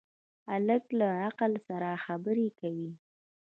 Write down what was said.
هلک له عقل سره خبرې کوي.